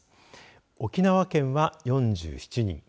沖縄県は４７人